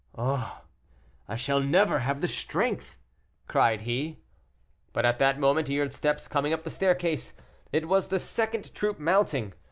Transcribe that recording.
"Oh, I shall never have the strength!" cried he. But at that moment he heard steps coming up the staircase; it was the second troop mounting.